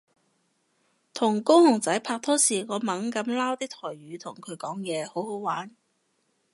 同高雄仔拍拖時我猛噉撈啲台語同佢講嘢好好玩